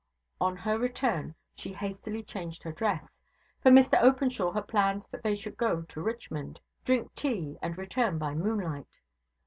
On her return she hastily changed her dress; for Mr Openshaw had planned that they should go to Richmond, drink tea, and return by moonlight.